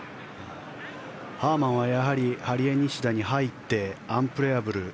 ハーマンはやはりハリエニシダに入ってアンプレヤブル。